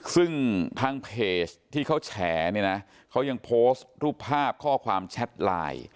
ซึ่งทางเพจที่เขาแฉเนี่ยนะเขายังโพสต์รูปภาพข้อความแชทไลน์